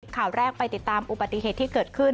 ข่าวแรกไปติดตามอุปสรรค์ที่เกิดขึ้น